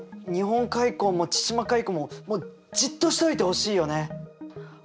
日本海溝も千島海溝ももうじっとしておいてほしいよね。